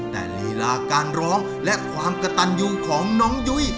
แต่ลีลาการร้องและความกระตันยูของน้องยุ้ย